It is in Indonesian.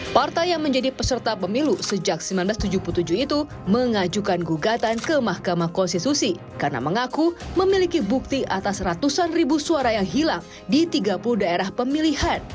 partai yang menjadi peserta pemilu sejak seribu sembilan ratus tujuh puluh tujuh itu mengajukan gugatan ke mahkamah konstitusi karena mengaku memiliki bukti atas ratusan ribu suara yang hilang di tiga puluh daerah pemilihan